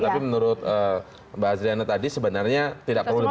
tapi menurut mbak azriana tadi sebenarnya tidak perlu berlaku